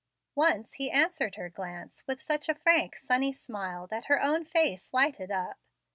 Once he answered her glance with such a frank, sunny smile that her own face lighted up.